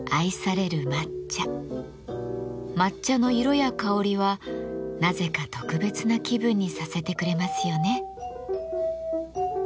抹茶の色や香りはなぜか特別な気分にさせてくれますよね。